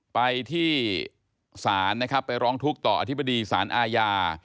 ไปที่ศาลนะครับไปร้องทุกข์ต่ออธิบดีสารอาญา